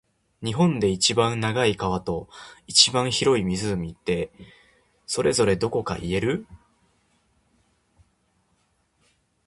日本で一番長い川と、一番広い湖って、それぞれどこか言える？